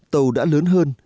tàu đã lớn hơn